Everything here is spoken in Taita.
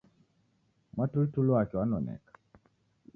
Mwatulituli wake wanonek